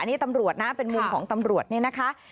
นี่ตำรวจนะเป็นมุมของตำรวจนี่นะคะ